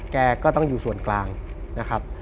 แกก็ต้องอยู่ส่วนกลางนะครับ